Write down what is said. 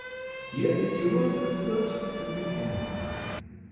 Yet he was the first to begin.